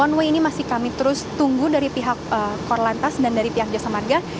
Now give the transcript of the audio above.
one way ini masih kami terus tunggu dari pihak korlantas dan dari pihak jasa marga